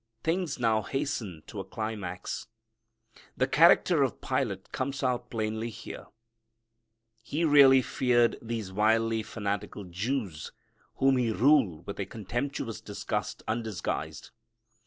Things now hasten to a climax. The character of Pilate comes out plainly here. He really feared these wildly fanatical Jews whom he ruled with a contemptuous disgust undisguised.